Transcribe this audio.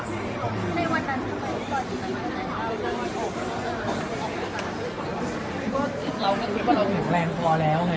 ในวันนั้นพี่กดมีตัวดินเท่าไหร่บ้างครับ